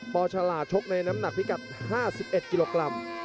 ฉลาดชกในน้ำหนักพิกัด๕๑กิโลกรัม